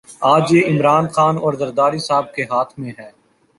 آج یہ عمران خان اور زرداری صاحب کے ہاتھ میں ہے۔